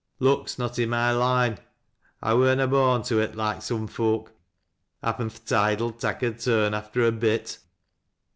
" Luck's not i' my loine ; I wur na born to it, loike some foak. Happen th' tide'll tak' a turn after a bit."